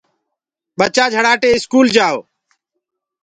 ڀچآ جھڙآٽي اسڪول ڪآؤ۔